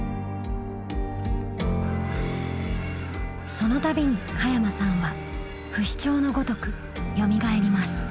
そのたびに加山さんは不死鳥のごとくよみがえります。